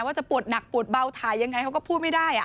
ว่าจะปวดหนักปวดเบาถ่ายยังไงเขาก็พูดไม่ได้